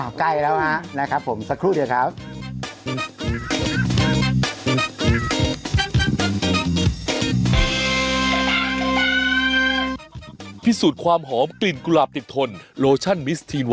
ใกล้แล้วฮะนะครับผมสักครู่เดียวครับ